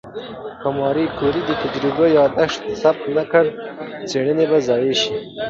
که ماري کوري د تجربې یادښتونه ثبت نه کړي، څېړنه به ضایع شي.